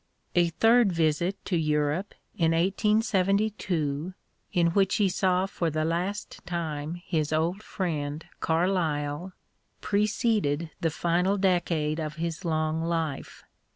A third visit to Europe in 1872, in which he saw for the last time his old friend Carlyle, preceded the final decade of his long life.